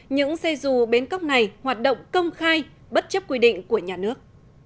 những xe dù bến cóc này hoạt động công khai bất chấp quy định của nhà nước